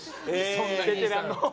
ベテランの。